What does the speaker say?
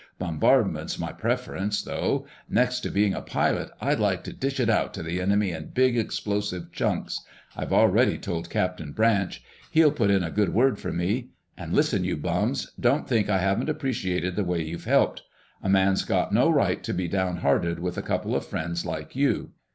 "Bombardment's my preference, though. Next to being a pilot, I'd like to dish it out to the enemy in big, explosive chunks. I've already told Captain Branch. He'll put in a good word for me. And, listen, you bums! Don't think I haven't appreciated the way you've helped. A man's got no right to be downhearted with a couple of friends like you."